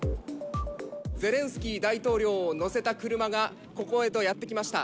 ゼレンスキー大統領を乗せた車が、ここへとやって来ました。